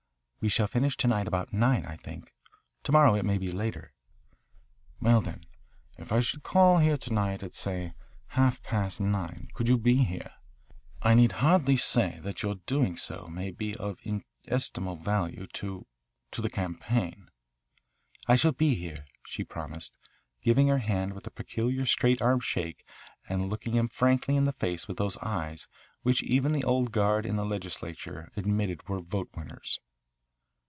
"We shall finish to night about nine, I think. To morrow it may be later." "Well, then, if I should call here to night at, say, half past nine, could you be here? I need hardly say that your doing so may be of inestimable value to to the campaign." "I shall be here," she promised, giving her hand with a peculiar straight arm shake and looking him frankly in the face with those eyes which even the old guard in the legislature admitted were vote winners.